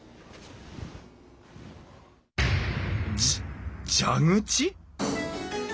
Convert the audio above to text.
じ蛇口？